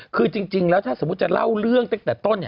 คือจริงแล้วถ้าสมมุติจะเล่าเรื่องตั้งแต่ต้น